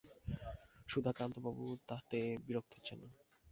সুধাকান্তবাবু তাতে বিরক্ত হচ্ছেন না।